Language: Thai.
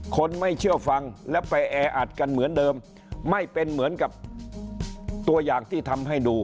คนไม่เชื่อฟังแล้วไปแออัดกันเหมือนเดิมไม่เป็นเหมือนกับตัวอย่างที่ทำให้ดู